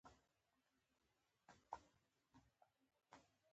افغانستان د کندز سیند د ترویج لپاره پروګرامونه لري.